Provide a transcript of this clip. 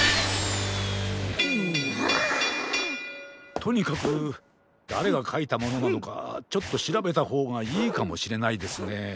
とにかくだれがかいたものなのかちょっとしらべたほうがいいかもしれないですね。